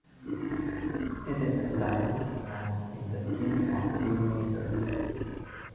It is in time and in the key of D major.